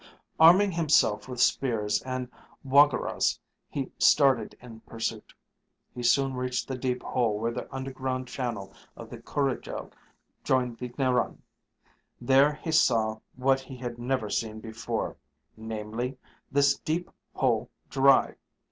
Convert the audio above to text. Arming himself with spears and woggarahs he started in pursuit. He soon reached the deep hole where the underground channel of the Coorigel joined the Narran. There he saw what he had never seen before, namely, this deep hole dry.